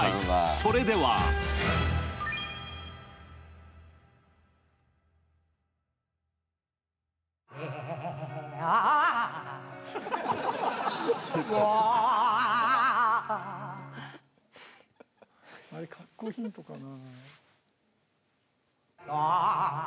それでは・あれ格好ヒントかな